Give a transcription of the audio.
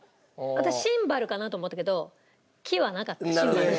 私シンバルかなと思ったけど木はなかったシンバルに。